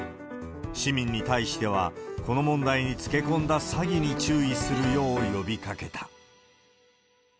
市民に対しては、この問題につけこんだ詐欺に注意するよう、呼びかけた。